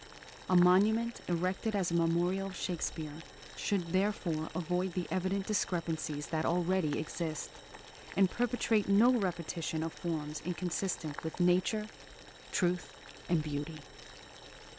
A monument, erected as a memorial of Shakespeare, should therefore avoid the evident discrepancies that already exist, and perpetrate no repetition of forms inconsistent with nature, truth, and beauty."